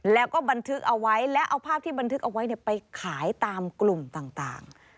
แล้วก็บันทึกเอาไว้และเอาภาพที่บันทึกเอาไว้ไปขายตามกลุ่มต่าง